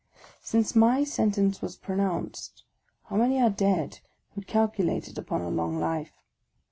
Since my sentence was pronounced, how many are dead who calculated upon a long life